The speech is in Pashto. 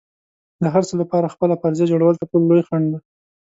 د هر څه لپاره خپله فرضیه جوړول تر ټولو لوی خنډ دی.